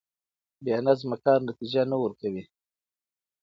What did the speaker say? بې نظمه کار نتيجه نه ورکوي.